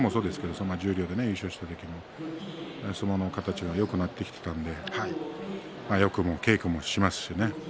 先場所もそうですけど十両で優勝した時も相撲の形がよくなってきていたのでよく稽古もしますしね。